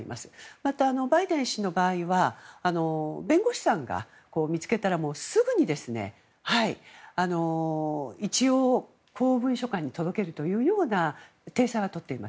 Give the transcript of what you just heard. また、バイデン氏の場合は弁護士さんが、見つけたらすぐに一応、公文書館に届けるという体裁をとっています。